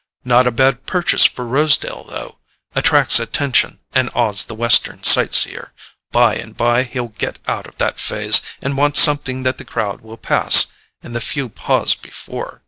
Not a bad purchase for Rosedale, though: attracts attention, and awes the Western sight seer. By and bye he'll get out of that phase, and want something that the crowd will pass and the few pause before.